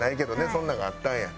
そんなんがあったんや。